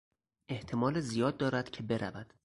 احتمال زیاد دارد که برود.